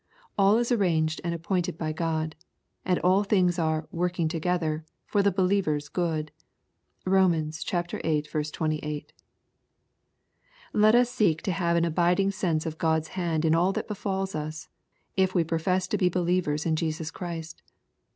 All is arranged and appointed by God. And all things are " working together" for the believer's good. (Rom. viii. 28.) Let us seek to have an abiding sense of God's hand in all that befals us, if we profess to be believers in Jesus Christ.